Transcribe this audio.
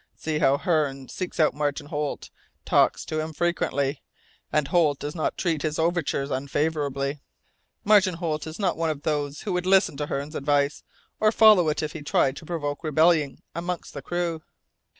See how Hearne seeks out Martin Holt, talks to him frequently, and Holt does not treat his overtures unfavourably.'' "Martin Holt is not one of those who would listen to Hearne's advice, or follow it if he tried to provoke rebellion amongst the crew."